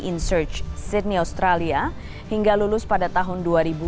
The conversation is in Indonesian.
insearch sydney australia hingga lulus pada tahun dua ribu sepuluh